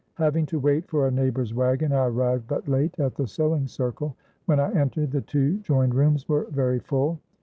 Having to wait for a neighbor's wagon, I arrived but late at the Sewing Circle. When I entered, the two joined rooms were very full.